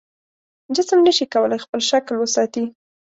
جسم نشي کولی خپل شکل وساتي.